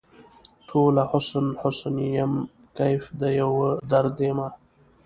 ټوله حسن ، حسن یم کیف د یوه درد یمه